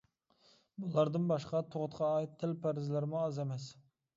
بۇلاردىن باشقا تۇغۇتقا ئائىت تىل پەرھىزلىرىمۇ ئاز ئەمەس.